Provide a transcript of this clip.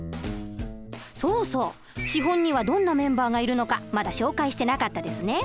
そうそう資本にはどんなメンバーがいるのかまだ紹介してなかったですね。